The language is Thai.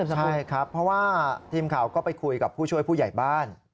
ใช่ครับเพราะว่าทีมข่าวก็ไปคุยกับผู้ช่วยผู้ใหญ่บ้าน